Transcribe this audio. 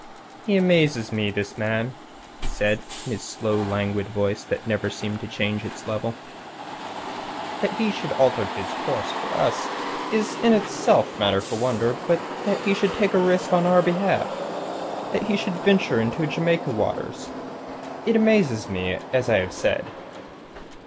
"He amazes me, this man," said he, in his slow, languid voice that never seemed to change its level. "That he should alter his course for us is in itself matter for wonder; but that he should take a risk on our behalf that he should venture into Jamaica waters.... It amazes me, as I have said."